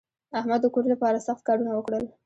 احمد د کور لپاره سخت کارونه وکړل.